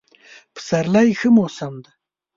پسرلی ښه موسم دی.